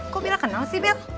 kok bila kenal sih bel